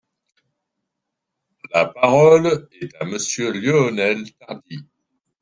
La parole est à Monsieur Lionel Tardy.